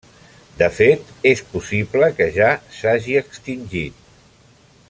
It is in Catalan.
De fet, és possible que ja s'hagi extingit.